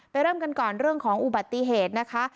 เริ่มกันก่อนเรื่องของอุบัติเหตุนะคะ